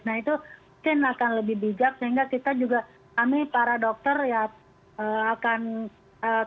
nah itu mungkin akan lebih bijak sehingga kita juga kami para dokter ya akan